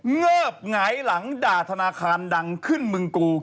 เงิบหงายหลังด่าธนาคารดังขึ้นมึงกู